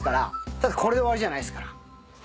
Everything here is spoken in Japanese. ただこれで終わりじゃないっすから。